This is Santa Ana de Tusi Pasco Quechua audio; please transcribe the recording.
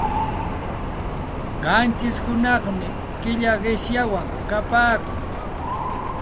Qanchish hunaqmi killa qishyaywan kapaakun.